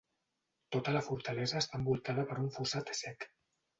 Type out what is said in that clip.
Tota la fortalesa està envoltada per un fossat sec.